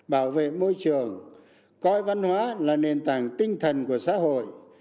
bảo vệ môi trường coi văn hóa là nền tảng tinh thần của xã hội